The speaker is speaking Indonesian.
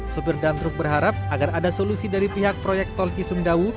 sopir dan truk berharap agar ada solusi dari pihak proyek tol cisumdawu